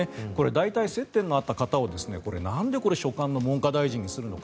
大体接点のあった方をなんで所管の文科大臣にするのか。